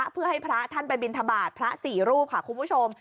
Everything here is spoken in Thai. เพื่อให้พระท่านไปบินทบาทพระสี่รูปค่ะคุณผู้ชม